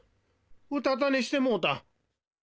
うたたねしてもうた。